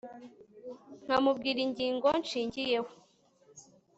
nkamubwira ingingo nshingiyeho